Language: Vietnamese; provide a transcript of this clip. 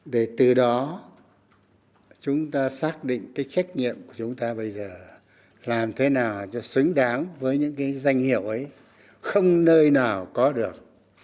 để từ đó chúng ta xác định cái trách nhiệm của chúng ta bây giờ làm thế nào cho xứng đáng với những cái danh hiệu ấy không nơi nào có được